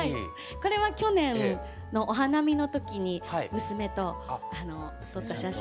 これは去年のお花見の時に娘と撮った写真なんですけど。